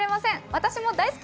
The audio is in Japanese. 私も大好き！